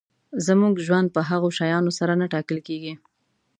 زموږ ژوند په هغو شیانو سره نه ټاکل کېږي.